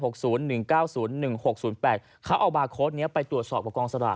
เขาเอาบาร์โค้ดนี้ไปตรวจสอบกับกองสลาก